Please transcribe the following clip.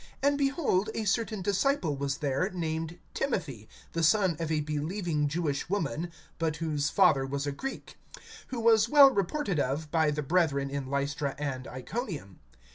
And, behold, a certain disciple was there, named Timothy, the son of a believing Jewish woman, but whose father was a Greek; (2)who was well reported of by the brethren in Lystra and Iconium.